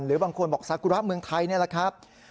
หรือบางคนบอกสากุระเมืองไทยนี่แหละครับ